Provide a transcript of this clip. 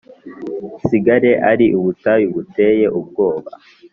isigare ari ubutayu buteye ubwoba,